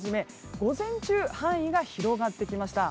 午前中範囲が広がってきました。